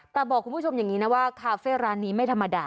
แต่บอกคุณผู้ชมอย่างนี้นะว่าคาเฟ่ร้านนี้ไม่ธรรมดา